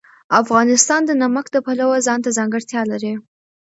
افغانستان د نمک د پلوه ځانته ځانګړتیا لري.